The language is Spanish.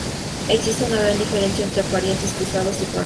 Existe una gran diferencia entre parientes cruzados y paralelos.